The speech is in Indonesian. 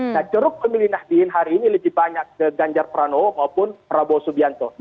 nah ceruk pemilih nahdien hari ini lebih banyak ke ganjar pranowo maupun prabowo subianto